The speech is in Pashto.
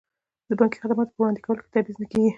د بانکي خدماتو په وړاندې کولو کې تبعیض نه کیږي.